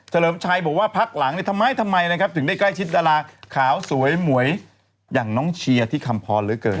เลิมชัยบอกว่าพักหลังทำไมทำไมนะครับถึงได้ใกล้ชิดดาราขาวสวยหมวยอย่างน้องเชียร์ที่คำพรเหลือเกิน